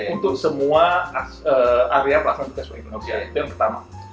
untuk semua area pelaksanaan tugas selama tahun dua ribu dua puluh satu